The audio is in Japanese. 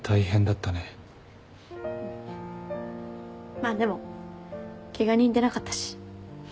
まあでもケガ人出なかったし。